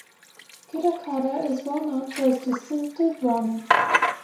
Kitakata is well known for its distinctive ramen.